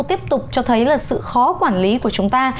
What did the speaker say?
tiếp tục cho thấy là sự khó quản lý của chúng ta